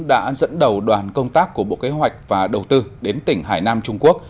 đã dẫn đầu đoàn công tác của bộ kế hoạch và đầu tư đến tỉnh hải nam trung quốc